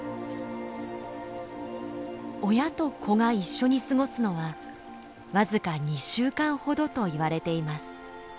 親と子が一緒に過ごすのは僅か２週間ほどといわれています。